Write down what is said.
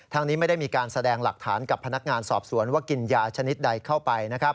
นี้ไม่ได้มีการแสดงหลักฐานกับพนักงานสอบสวนว่ากินยาชนิดใดเข้าไป